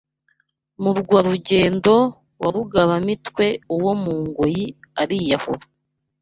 Murwa-rugendo wa rugaba-mitwe Uwo mugoyi ariyahura